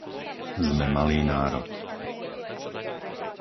Sme malý národ.